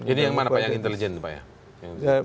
ini yang mana pak yang intelijen pak ya